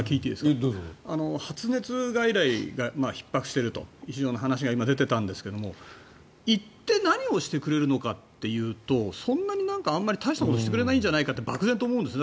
発熱外来がひっ迫しているという話が今、出ていたんですが行って何をしてくれるのかというとそんなに何かあんまり大したことしてくれないんじゃないかと漠然と思うんです。